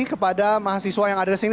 kepada mahasiswa yang ada di sini